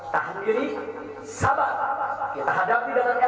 tahan diri sabar kita hadapi dengan elegan